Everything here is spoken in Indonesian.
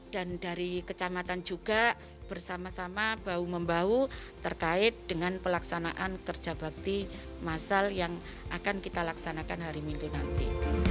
dari kecamatan juga bersama sama bau membau terkait dengan pelaksanaan kerja bakti masal yang akan kita laksanakan hari minggu nanti